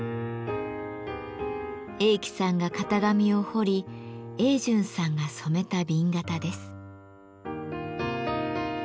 栄喜さんが型紙を彫り栄順さんが染めた紅型です。